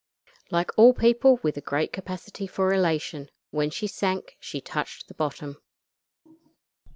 Like all people with a great capacity for elation, when she sank she touched the bottom.